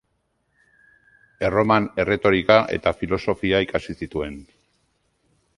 Erroman erretorika eta filosofia ikasi zituen.